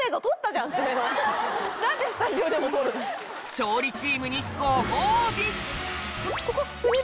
勝利チームにご褒美！